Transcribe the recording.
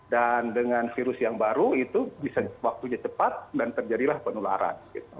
dan dengan virus yang baru itu bisa waktunya cepat dan terjadilah penularan